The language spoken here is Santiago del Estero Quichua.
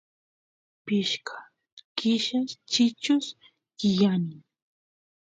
pishka killas chichus tiyani